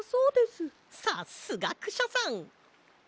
さすがクシャさん！